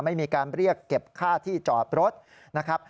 ไม่มีการเรียกเก็บค่าที่จอดรถนะครับ